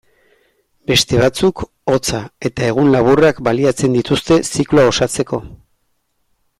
Beste batzuk, hotza eta egun laburrak baliatzen dituzte zikloa osatzeko.